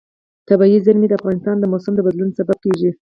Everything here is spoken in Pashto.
طبیعي زیرمې د افغانستان د موسم د بدلون سبب کېږي.